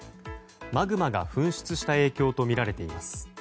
マグマが噴出した影響とみられています。